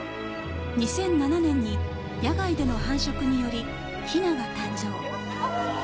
２００７年に、野外での繁殖によりヒナが誕生。